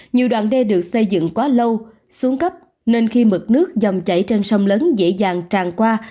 nhiều đoạn đê được xây dựng quá lâu xuống cấp nên khi mực nước dòng chảy trên sông lớn dễ dàng tràn qua